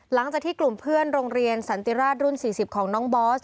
หลังจากที่กลุ่มเพื่อนโรงเรียนสันติราชรุ่น๔๐ของน้องบอส